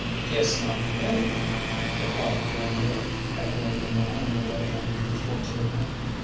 "Guess not many," replied Granville, echoing the man in a way unusual to him.